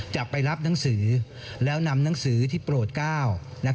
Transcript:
จะไปรับหนังสือแล้วนำหนังสือที่โปรดก้าว